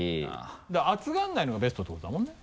だから熱がらないのがベストってことだもんね？